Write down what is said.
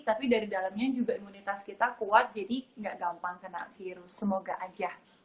tapi dari dalamnya juga imunitas kita kuat jadi nggak gampang kena virus semoga aja